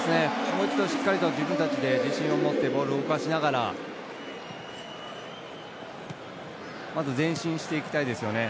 もう一度しっかりと自分たちで自信を持ってボールを動かしながら前進していきたいですよね。